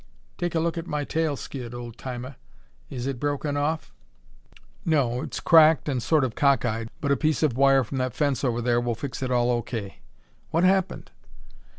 Take a look at my tail skid, Old Timer. Is it broken off?" "No. It's cracked and sort of cockeyed, but a piece of wire from that fence over there will fix it all O.K. What happened?"